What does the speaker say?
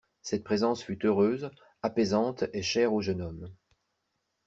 Cette présence fut heureuse, apaisante et chère au jeune homme.